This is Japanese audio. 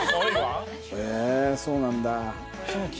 へえそうなんだ。